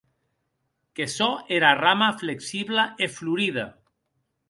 Que sò era arrama flexibla e florida!